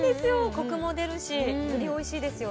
コクも出るしよりおいしいですよね。